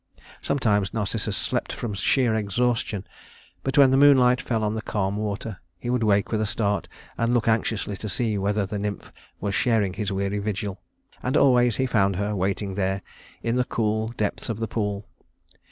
Sometimes Narcissus slept from sheer exhaustion; but when the moonlight fell on the calm water, he would wake with a start and look anxiously to see whether the nymph was sharing his weary vigil. And always he found her waiting there in the cool depths of the pool.